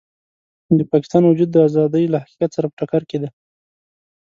د پاکستان وجود د ازادۍ له حقیقت سره په ټکر کې دی.